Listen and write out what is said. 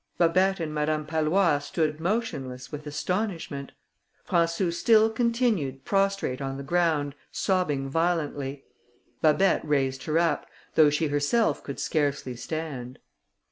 Babet and Madame Pallois stood motionless with astonishment. Françou still continued prostrate on the ground, sobbing violently. Babet raised her up, though she herself could scarcely stand.